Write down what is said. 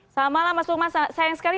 selamat malam mas lukman sayang sekali